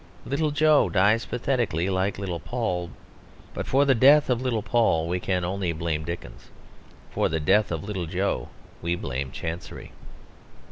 Little Jo dies pathetically like Little Paul; but for the death of Little Paul we can only blame Dickens; for the death of Little Jo we blame Chancery.